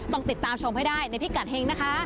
ต้องติดตามชมให้ได้ในพิกัดเฮงนะคะ